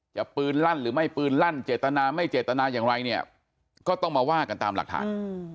ปืนลั่นหรือไม่ปืนลั่นเจตนาไม่เจตนาอย่างไรเนี่ยก็ต้องมาว่ากันตามหลักฐาน